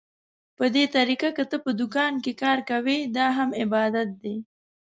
په دې طريقه که ته په دوکان کې کار کوې، دا هم عبادت دى.